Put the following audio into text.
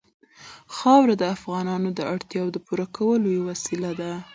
خاوره د افغانانو د اړتیاوو د پوره کولو وسیله ده.